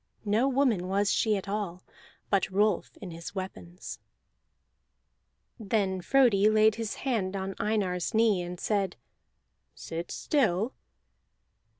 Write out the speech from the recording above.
No woman was she at all, but Rolf in his weapons! Then Frodi laid his hand on Einar's knee, and said: "Sit still!"